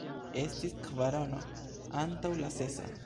Estis kvarono antaŭ la sesa.